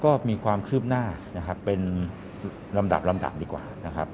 ก็มีความคืบหน้านะครับเป็นลำดับลำดับดีกว่านะครับ